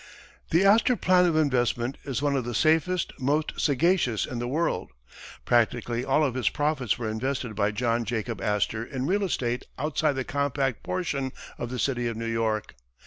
The Astor plan of investment is one of the safest, most sagacious in the world. Practically all of his profits were invested by John Jacob Astor in real estate outside the compact portion of the city of New York.